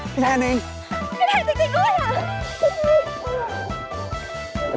พี่แทนจริงด้วย